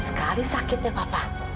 sekali sakitnya papa